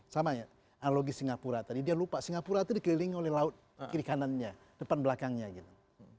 sama ya analogi singapura tadi dia lupa singapura itu dikelilingi oleh laut kiri kanannya depan belakangnya gitu